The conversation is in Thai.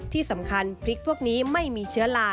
ที่สำคัญพริกพวกนี้ไม่มีเชื้อลา